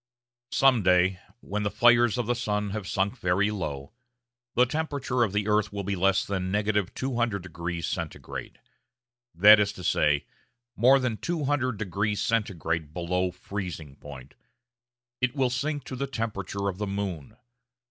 Some day, when the fires of the sun have sunk very low, the temperature of the earth will be less than 200° C.: that is to say, more than two hundred degrees Centigrade below freezing point. It will sink to the temperature of the moon.